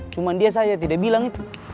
cuman dia saja yang tidak bilang itu